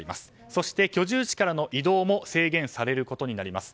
そして、居住地からの移動も制限されることになります。